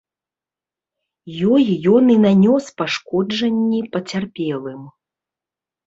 Ёй ён і нанёс пашкоджанні пацярпелым.